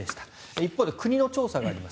一方で国の調査があります。